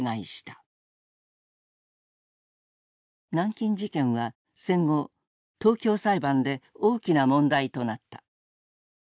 南京事件は戦後東京裁判で大きな問題となった。